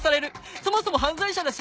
そもそも犯罪者だし！